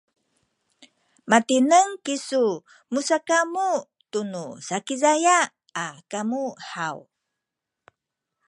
matineng kisu musakamu tunu Sakizaya a kamu haw?